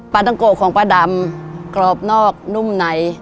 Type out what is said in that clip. ปลาต้งโก่ของป้าดำกรอบนอกนุ่มไหน